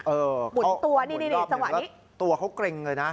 หมุนตัวนี่ตัวเขาเกรงเลยนะ